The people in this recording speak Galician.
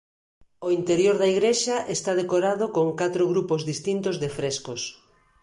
O interior da igrexa está decorado con catro grupos distintos de frescos.